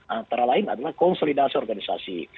antara lain adalah konsolidasi organisasi